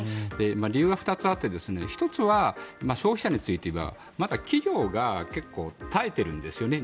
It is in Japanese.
理由は２つあって１つは消費者についていえばまだ企業が結構、耐えているんですよね。